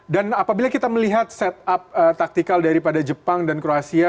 dan apabila kita melihat set up taktikal dari pada jepang dan kroasia